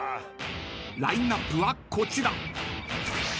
［ラインアップはこちら］